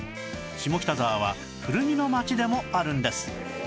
下北沢は古着の街でもあるんです